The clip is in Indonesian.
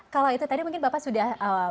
kalau itu tadi mungkin bapak sudah